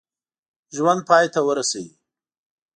ژوند پای ته ورسوي.